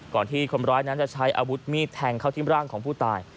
ที่คนร้ายนั้นจะใช้อาวุธมีดแทงเข้าที่ร่างของผู้ตาย